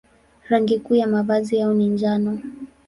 Rangi kuu ya mavazi yao ni njano.